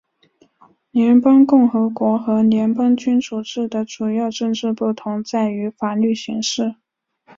联邦共和国和联邦君主制的主要政治不同在于法律形式。